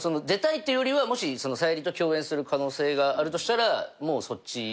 出たいっていうよりはもし沙莉と共演する可能性があるとしたらもうそっち。